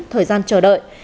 thời gian chờ đợi